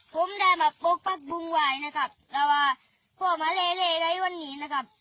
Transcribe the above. ผมได้มาโป๊กปักบุงไหวนะครับแต่ว่าพวกมันเละเละเลยวันนี้นะครับ